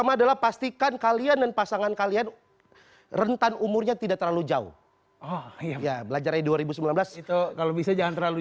kalian kalian rentan umurnya tidak terlalu jauh oh ya belajarnya dua ribu sembilan belas itu kalau bisa jangan terlalu